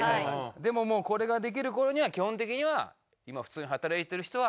でももうこれができる頃には基本的には今普通に働いている人は